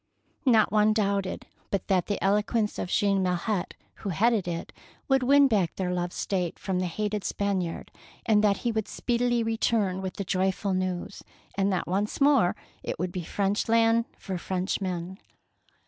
Not one doubted but that the elo quence of Jean Milhet, who headed it, would win back their loved State from the hated Spaniard, and that he would speedily return with the joyful news, and that once more it would be French land for French men.